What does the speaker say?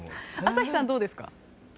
朝日さん、どうですか？